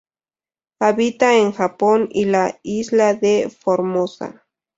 Habita en Japón y la isla de Formosa.